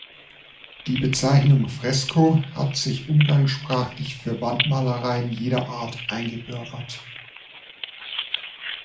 Die Bezeichnung "Fresko" hat sich umgangssprachlich für Wandmalereien jeder Art eingebürgert.